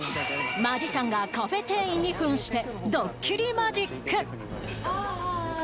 マジシャンがカフェ店員に扮してドッキリマジック。